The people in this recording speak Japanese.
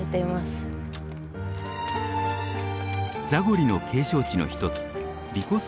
ザゴリの景勝地の一つヴィコス